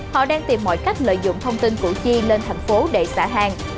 họ đang tìm mọi cách lợi dụng thông tin củ chi lên thành phố để xả hàng